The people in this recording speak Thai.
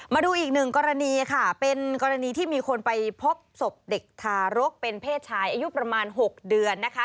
มาดูอีกหนึ่งกรณีค่ะเป็นกรณีที่มีคนไปพบศพเด็กทารกเป็นเพศชายอายุประมาณ๖เดือนนะคะ